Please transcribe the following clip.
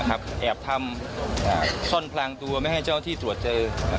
แอบทำซ่อนพลางตัวไม่ให้เจ้าที่ตรวจเจอ